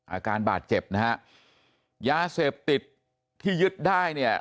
อาการบาดเจ็บนะฮะยาเสพติดที่ยึดได้เนี่ย